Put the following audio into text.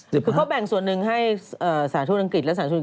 คือเขาแบ่งส่วนหนึ่งให้สาธุอังกฤษและสาธุ